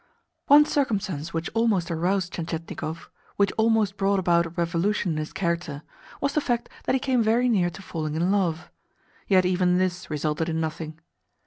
One circumstance which almost aroused Tientietnikov, which almost brought about a revolution in his character, was the fact that he came very near to falling in love. Yet even this resulted in nothing.